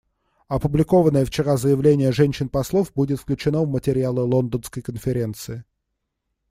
Опубликованное вчера заявление женщин-послов будет включено в материалы Лондонской конференции.